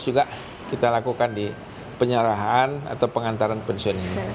juga kita lakukan di penyerahan atau pengantaran pensiun ini